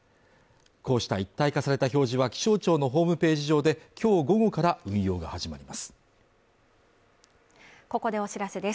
こうした一体化された表示は気象庁のホームページ上できょう午後から運用が始まります